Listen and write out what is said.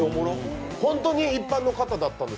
本当に一般の方だったんです。